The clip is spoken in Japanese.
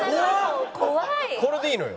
これでいいのよ。